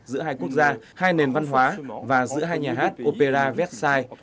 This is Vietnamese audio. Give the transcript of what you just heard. giữa hai quốc gia hai nền văn hóa và giữa hai nhà hát opera vecsai